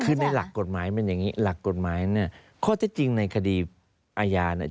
คือในหลักกฎหมายมันอย่างนี้หลักกฎหมายเนี่ยข้อเท็จจริงในคดีอาญาเนี่ย